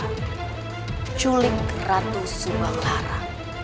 menculik ratu subang lara